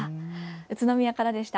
宇都宮からでした。